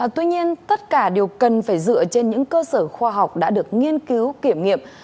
tuy nhiên tất cả đều cần phải dựa trên những cơ sở khoa học đã được nghiên cứu kiểm nghiệm